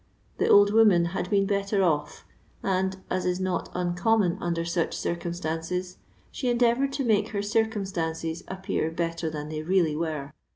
The old woman had been better off, and, as is not uncom mon under such circumstances, she endeavoured to make her circumstances appear better than they really were.